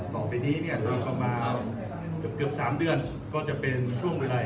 ต่อไปนี้เนี้ยตอนประมาณเกือบเกือบสามเดือนก็จะเป็นช่วงโดยไร